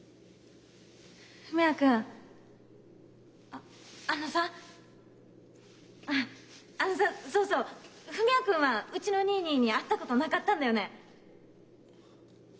ああのさあのさそうそう文也君はうちの兄い兄いに会ったことなかったんだよね？